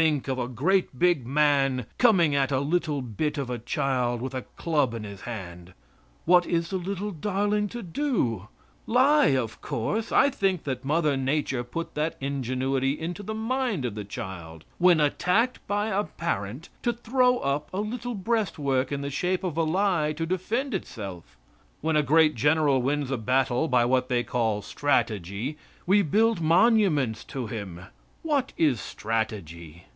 Think of a great big man coming at a little bit of a child with a club in his hand! What is the little darling to do? Lie, of course. I think that mother Nature put that ingenuity into the mind of the child, when attacked by a parent, to throw up a little breastwork in the shape of a lie to defend itself. When a great general wins a battle by what they call strategy, we build monuments to him. What is strategy?